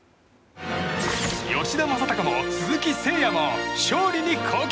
吉田正尚も鈴木誠也も勝利に貢献！